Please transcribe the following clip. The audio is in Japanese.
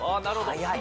早い！